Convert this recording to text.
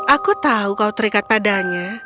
aku tahu kau terikat padanya